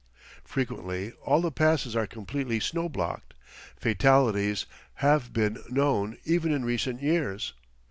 Frequently all the passes are completely snow blocked. Fatalities have been known even in recent years.